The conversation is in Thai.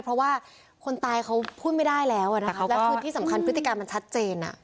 เพราะว่าคนตายเขาพูดไม่ได้แล้วนะครับแล้วคือที่สำคัญพฤติการมันชัดเจน